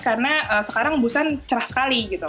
karena sekarang busan cerah sekali